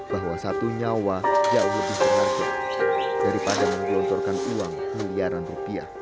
bahwa satu nyawa jauh lebih berharga daripada menggelontorkan uang miliaran rupiah